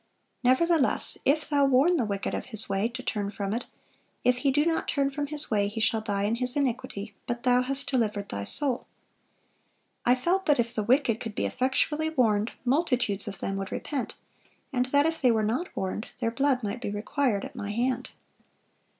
Nevertheless, if thou warn the wicked of his way to turn from it; if he do not turn from his way, he shall die in his iniquity; but thou hast delivered thy soul.'(550) I felt that if the wicked could be effectually warned, multitudes of them would repent; and that if they were not warned, their blood might be required at my hand."